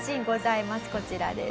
こちらです。